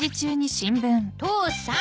父さん！